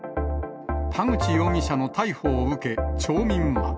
田口容疑者の逮捕を受け、町民は。